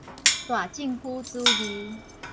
大政府主義